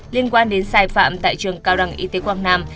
liên quan đến sai phạm tại trường cao đẳng y tế quảng nam